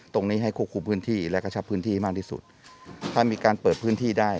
ตรงนี้ให้ควบคุมพื้นที่และกระชับพื้นที่ให้มากที่สุดถ้ามีการเปิดพื้นที่ได้